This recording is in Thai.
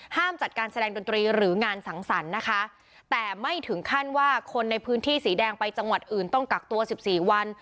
จัดการแสดงดนตรีหรืองานสังสรรค์นะคะแต่ไม่ถึงขั้นว่าคนในพื้นที่สีแดงไปจังหวัดอื่นต้องกักตัวสิบสี่วัน